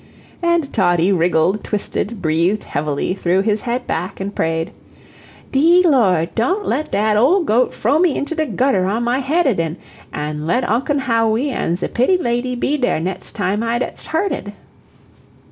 And Toddie wriggled, twisted, breathed heavily, threw his head back, and prayed: "Dee Lord, don't let dat old goat fro me into de gutter on my head aden, an' let Ocken Hawwy an' ze pitty lady be dere netst time I dest hurted."